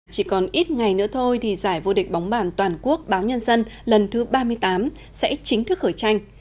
chỉ còn ít ngày nữa thôi thì giải vô địch bóng bàn toàn quốc báo nhân dân lần thứ ba mươi tám sẽ chính thức khởi tranh